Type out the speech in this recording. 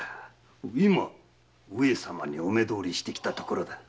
今上様にお目通りしてきたところだ。